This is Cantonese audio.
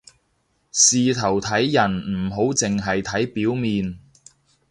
事頭睇人唔好淨係睇表面